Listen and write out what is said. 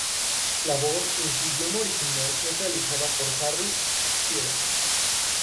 La voz en su idioma original es realizada por Harry Shearer.